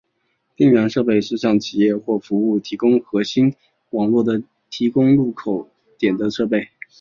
边缘设备是向企业或服务提供商核心网络提供入口点的设备。